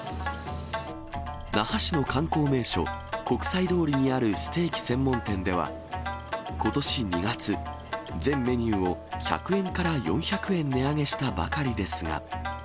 那覇市の観光名所、国際通りにあるステーキ専門店では、ことし２月、全メニューを１００円から４００円値上げしたばかりですが。